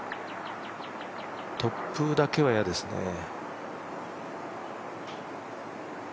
突風だけは嫌ですね。